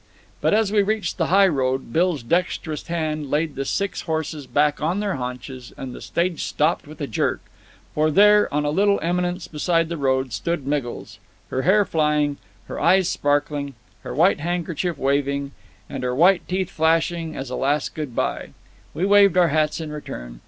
But as we reached the highroad, Bill's dexterous hand laid the six horses back on their haunches, and the stage stopped with a jerk. For there, on a little eminence beside the road, stood Miggles, her hair flying, her eyes sparkling, her white handkerchief waving, and her white teeth flashing a last "good by." We waved our hats in return.